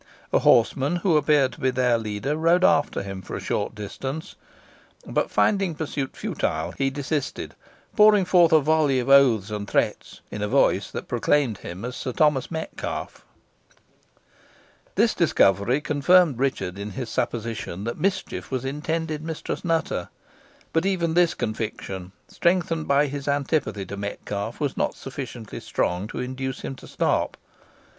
A horseman, who appeared to be their leader, rode after him for a short distance, but finding pursuit futile, he desisted, pouring forth a volley of oaths and threats, in a voice that proclaimed him as Sir Thomas Metcalfe. This discovery confirmed Richard in his supposition that mischief was intended Mistress Nutter; but even this conviction, strengthened by his antipathy to Metcalfe, was not sufficiently strong to induce him to stop.